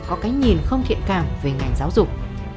có cái nhìn không thiện cảm về ngành giáo dục